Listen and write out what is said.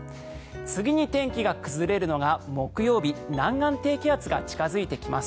次に天気が崩れるのが木曜日南岸低気圧が近付いてきます。